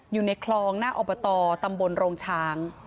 อยู่ในคลองหน้าอบตตำบลโรงช้าง